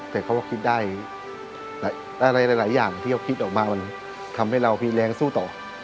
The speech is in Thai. แต่เขาก็คิดได้อะไรหลายอย่างที่เขาคิดออกมามันทำให้เรามีแรงสู้ต่อ